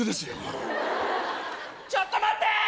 ・ちょっと待って！